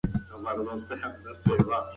نجلۍ د مسافرانو په ګڼه ګوڼه کې ورکه شوه.